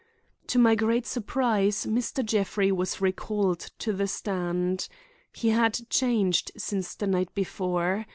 To my great surprise, Mr. Jeffrey was recalled to the stand. He had changed since the night before.